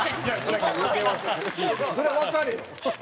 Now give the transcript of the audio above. それはわかれよ。